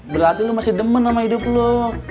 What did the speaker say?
berlatih lo masih demen sama hidup lo